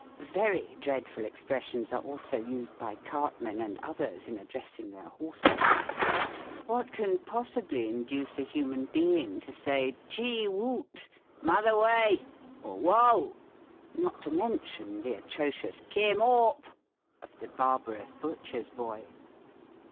Very dreadful expressions are also used by cartmen and others in addressing their horses. What can possibly induce a human being to say "Gee woot!" "'Mather way!" or "Woal' not to mention the atrocious "Kim aup!" of the barbarous butcher's boy.